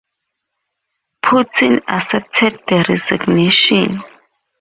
Putin accepted the resignation.